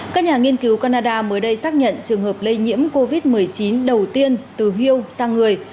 các nhà nghiên cứu canada mới đây xác nhận trường hợp lây nhiễm covid một mươi chín đầu tiên từ hiêu sang người